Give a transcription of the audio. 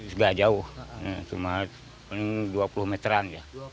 tidak jauh cuma dua puluh meteran